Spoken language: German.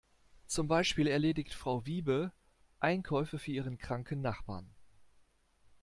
Zum Beispiel erledigt Frau Wiebe Einkäufe für ihren kranken Nachbarn.